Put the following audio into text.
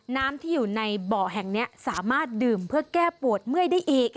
น้ำที่อยู่ในบ่อแห่งนี้สามารถดื่มเพื่อแก้ปวดเมื่อยได้อีก